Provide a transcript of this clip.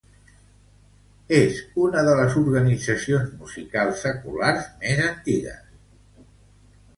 Haworth Band és una de les organitzacions musicals seculars més antigues de l'àrea de Keighley.